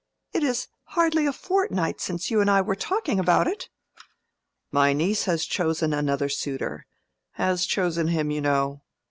"It is hardly a fortnight since you and I were talking about it." "My niece has chosen another suitor—has chosen him, you know.